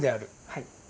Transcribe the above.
はい。